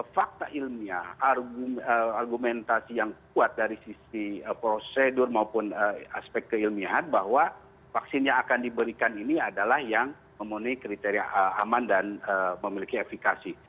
fakta ilmiah argumentasi yang kuat dari sisi prosedur maupun aspek keilmiahan bahwa vaksin yang akan diberikan ini adalah yang memenuhi kriteria aman dan memiliki efekasi